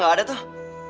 yang ada tuh